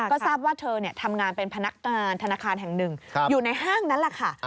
ก็ทราบว่าเธ้เนี่ยทำงานเป็นทนาคารแห่งหนึ่งอยู่ในห้างนั้นแหละค่ะ